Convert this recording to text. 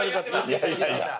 いやいやいや。